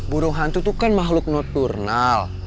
burung hantu itu kan makhluk notural